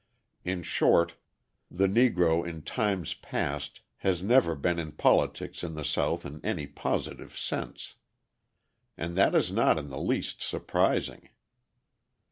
In short, the Negro in times past has never been in politics in the South in any positive sense. And that is not in the least surprising.